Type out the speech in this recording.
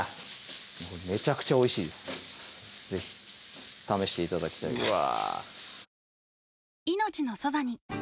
めちゃくちゃおいしいです是非試して頂きたいです